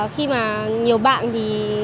khi mà nhiều bạn thì